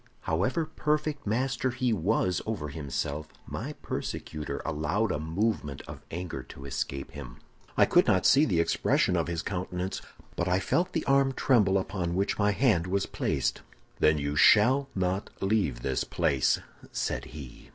"However perfect master he was over himself, my persecutor allowed a movement of anger to escape him. I could not see the expression of his countenance, but I felt the arm tremble upon which my hand was placed. "'Then you shall not leave this place,' said he.